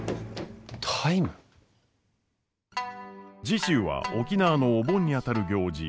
次週は沖縄のお盆にあたる行事